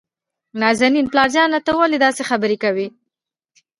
نازنين: پلار جانه ته ولې داسې خبرې کوي؟